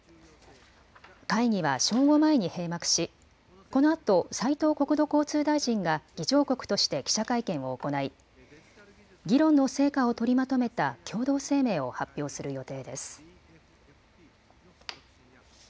会議は正午前に閉幕しこのあと斉藤国土交通大臣が議長国として記者会見を行い議論の成果を取りまとめた共同声明を発表する予定です。